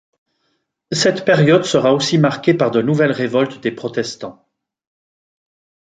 Cette période sera aussi marquée par de nouvelles révoltes des protestants.